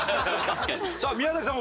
さあ宮崎さん